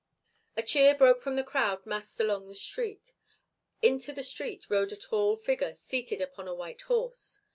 A cheer broke from the crowd massed along the street. Into the street rode a tall figure seated upon a white horse.